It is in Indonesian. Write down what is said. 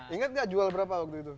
ingat nggak jual berapa waktu itu